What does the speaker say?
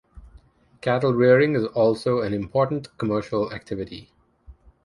Cattle rearing is also an important commercial activity.